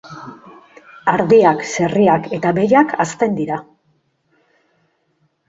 Ardiak, zerriak eta behiak hazten dira.